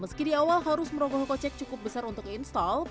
meski di awal harus mer blizzard ada air muda atau paula's frozen